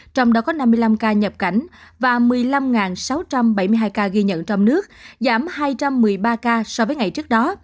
trong đó có năm mươi năm ca nhập cảnh và một mươi năm sáu trăm bảy mươi hai ca ghi nhận trong nước giảm hai trăm một mươi ba ca so với ngày trước đó